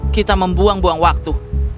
kita membuang buang waktu